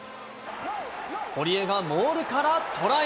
堀江がモールからトライ。